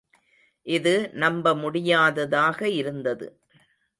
இது நம்ப முடியாததாக இருந்தது.